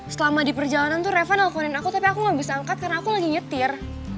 selama di perjalanan tuh reva nelfonin aku tapi aku gak bisa angkat karena aku lagi nyetir